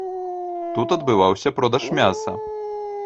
Тут адбываўся продаж мяса.